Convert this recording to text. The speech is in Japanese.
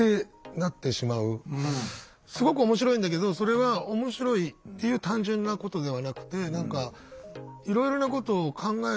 すごく面白いんだけどそれは面白いっていう単純なことではなくて何かいろいろなことを考える面白さ。